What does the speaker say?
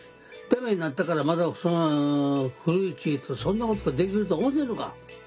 ダメになったからまた古市へとそんなことできると思てんのか！」。